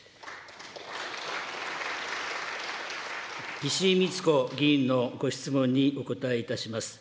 石井苗子議員のご質問にお答えいたします。